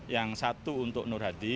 yang satu untuk nur hadi